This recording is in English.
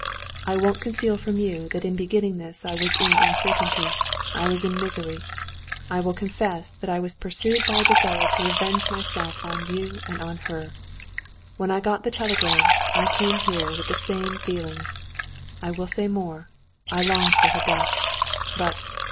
I won't conceal from you that in beginning this I was in uncertainty, I was in misery; I will confess that I was pursued by a desire to revenge myself on you and on her. When I got the telegram, I came here with the same feelings; I will say more, I longed for her death. But...."